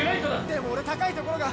でも俺高いところが。